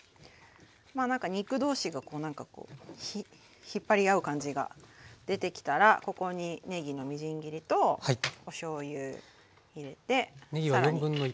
肉同士がなんかこう引っ張り合う感じが出てきたらここにねぎのみじん切りとおしょうゆ入れて。